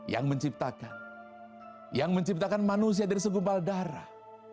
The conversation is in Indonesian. yang menciptakan yang menciptakan manusia dari segumpal darah